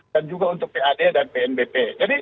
dan juga untuk pad dan pnbp